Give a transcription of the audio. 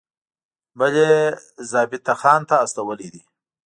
بل یې ضابطه خان ته استولی دی.